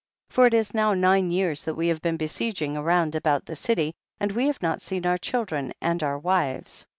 6. For it is now nine years that we have been besieging round about the city, and have not seen our chil dren and our wives.